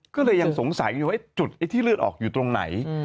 ก็เลยยังสงสัยอยู่ว่าจุดไอ้ที่เลือดออกอยู่ตรงไหน